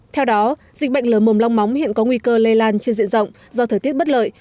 theo đó dịch bệnh lở mồm long móng hiện có nguy cơ lây lan trên diện rộng do thời tiết bất lợi